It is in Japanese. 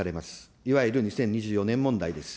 いわゆる２０２４年問題です。